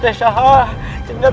saya akan menang